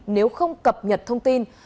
nếu không cập nhật thông tin